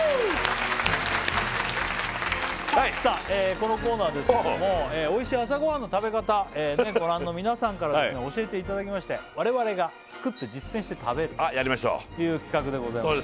このコーナーですけどもおいしい朝ごはんの食べ方ご覧の皆さんから教えていただきまして我々が作って実践して食べるという企画でございます